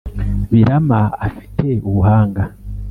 birama afite ubuhanga